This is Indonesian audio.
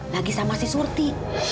lagi sama si surti